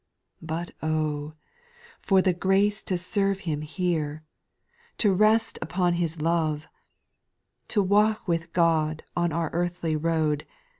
4. / But oh ! for grace to serve Him here, To rest upon His love, To walk with God On our earthly road.